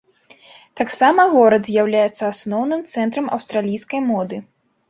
Таксама горад з'яўляецца асноўным цэнтрам аўстралійскай моды.